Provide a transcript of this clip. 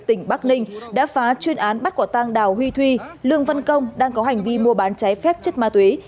tỉnh bắc ninh đã phá chuyên án bắt quả tang đào huy thuy lương văn công đang có hành vi mua bán trái phép chất ma túy